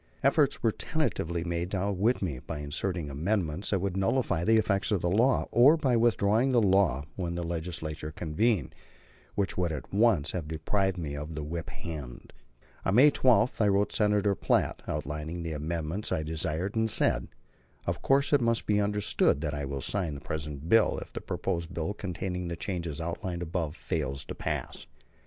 Efforts were tentatively made to outwit me, by inserting amendments that would nullify the effect of the law, or by withdrawing the law when the Legislature convened; which would at once have deprived me of the whip hand. On May 12 I wrote Senator Platt, outlining the amendments I desired, and said: "Of course it must be understood that I will sign the present bill if the proposed bill containing the changes outlined above fails to pass."